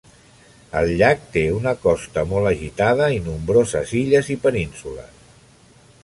El llac té una costa molt agitada i nombroses illes i penínsules.